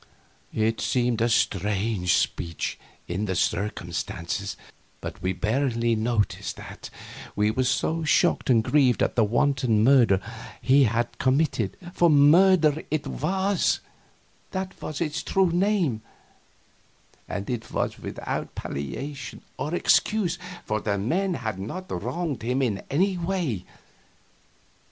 It seemed a strange speech, in the circumstances, but we barely noticed that, we were so shocked and grieved at the wanton murder he had committed for murder it was, that was its true name, and it was without palliation or excuse, for the men had not wronged him in any way.